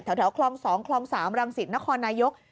แถวคลอง๒คลอง๓รังสิตนครนายก